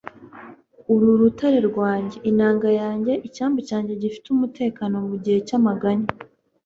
uri urutare rwanjye, inanga yanjye, icyambu cyanjye gifite umutekano mugihe cyamaganya